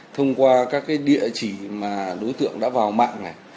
thông qua các địa chỉ mà đối tượng đã vào mạng này